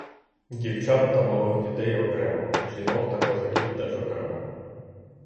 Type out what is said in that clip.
Дівчат та малих дітей окремо, жінок та козаків теж окремо.